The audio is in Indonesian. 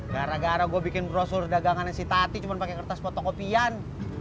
gara gara gue bikin brosur dagangannya si tati cuma pakai kertas fotokopian